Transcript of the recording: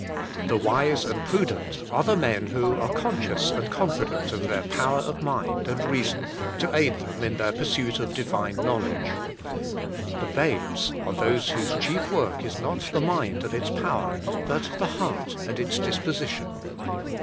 The wise and prudent are the men who are con scious and confident of their power of mind and reason to aid them in their pursuit of Divine Knowledge. The babes are those whose chief work is not the mind and its power, but the heart and its disposition.